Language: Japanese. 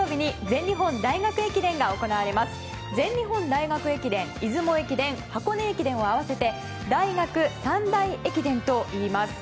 全日本大学駅伝、出雲駅伝箱根駅伝を合わせて大学三大駅伝といいます。